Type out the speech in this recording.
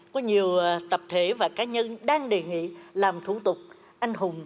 có nhiều tập thể và cá nhân đang đề nghị làm thủ tục anh hùng